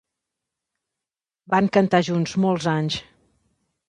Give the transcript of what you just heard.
Van cantar junts molts anys.